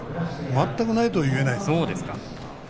全くないとは言えない。